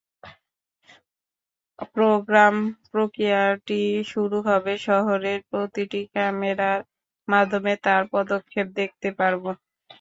Programme প্রক্রিয়া শুরু হবে শহরের প্রতিটি ক্যামেরার মাধ্যমে তার পদক্ষেপ দেখতে পারবো।